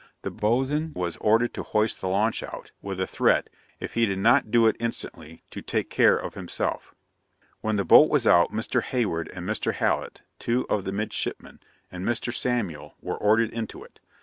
The boatswain was ordered to hoist the launch out, with a threat, if he did not do it instantly, to take care of himself. 'When the boat was out, Mr. Hayward and Mr. Hallet, two of the midshipmen, and Mr. Samuel, were ordered into it.